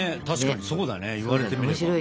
確かにそうだね言われてみれば。